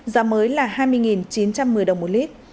giá mới là hai mươi chín trăm một mươi đồng một lít